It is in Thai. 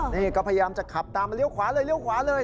นี่ก็พยายามจะขับตามเรียวขวาเลยเลย